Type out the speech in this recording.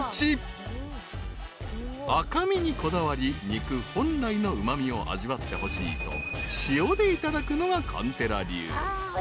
［赤身にこだわり肉本来のうま味を味わってほしいと塩でいただくのが韓てら流］